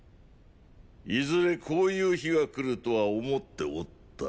いずれこういう日が来るとは思っておった。